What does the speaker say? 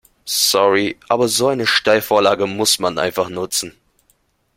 Sorry, aber so eine Steilvorlage muss man einfach nutzen.